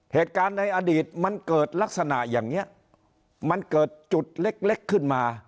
เหตุการณ์ในอดีตมันเกิดลักษณะอย่างนี้มันเกิดจุดเล็กเล็กขึ้นมา